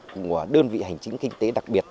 của đơn vị hành chính kinh tế đặc biệt